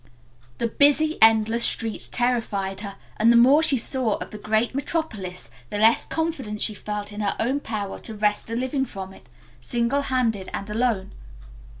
The busy, endless streets terrified her and the more she saw of the great metropolis the less confidence she felt in her own power to wrest a living from it, single handed and alone.